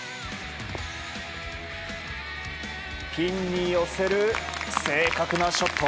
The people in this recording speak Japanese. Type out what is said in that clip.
ピンに寄せる正確なショット。